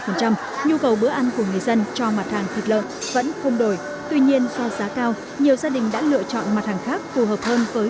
nhu cầu bữa ăn của người dân cho mặt hàng thịt lợn vẫn không đổi